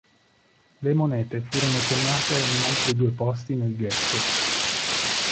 Le monete furono coniate in altri due posti nel ghetto.